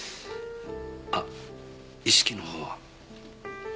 あっ意識のほうは？